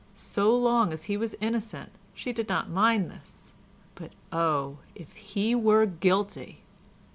So long as he was innocent she did not mind this, but oh, if he were guilty!